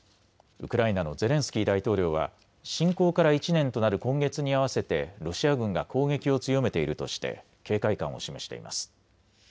ウクライナのゼレンスキー大統領は侵攻から１年となる今月に合わせてロシア軍が攻撃を強めているとして警戒感を示しています。